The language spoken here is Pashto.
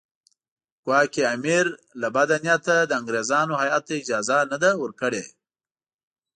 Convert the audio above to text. ګواکې امیر له بده نیته د انګریزانو هیات ته اجازه نه ده ورکړې.